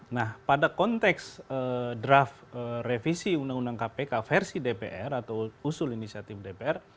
nah pada konteks draft revisi undang undang kpk versi dpr atau usul inisiatif dpr